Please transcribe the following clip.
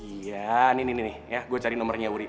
iya nih nih nih gue cari nomernya uri